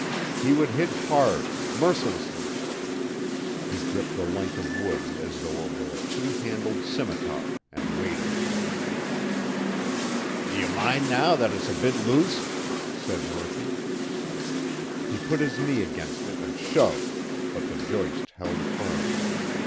He would hit hard mercilessly. He gripped the length of wood as though it were a two handled scimitar, and waited. "D' ye mind now that it's a bit loose?" said Murphy. He put his knee against it and shoved, but the joist held firm.